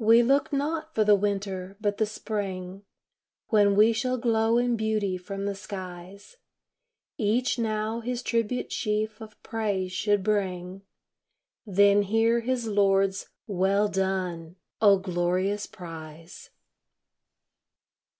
We look not for the Winter, but the Spring, When we shall glow in beauty from the skies; Each now his tribute sheaf of praise should bring, Then hear his Lord's "Well done!" O glorious prize.